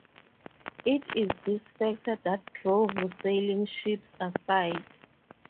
It is this factor that drove sailing ships aside.